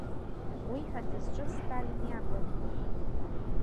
Уи ҳәа дызҿыз Сталин иакәын.